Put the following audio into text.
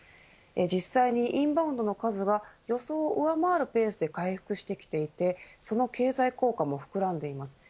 実際にインバウンドの数が予想を上回るペースで回復してきていてその経済効果も膨らんでいます。